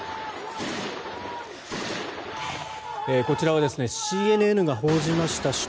こちらはＣＮＮが報じました